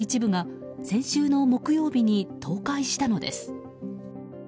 そこにある建物の一部が先週の木曜日に倒壊したのです。